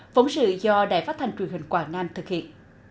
phóng sự do đài phát thanh truyền hình quảng nam thực hiện